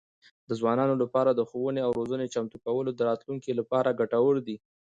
د ځوانانو لپاره د ښوونې او روزنې چمتو کول د راتلونکي لپاره ګټور دي.